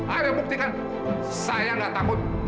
ada buktikan saya nggak takut